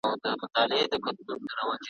ډلي ډلي له هوا څخه راتللې `